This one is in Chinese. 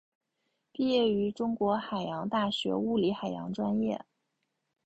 毕业于中国海洋大学物理海洋专业。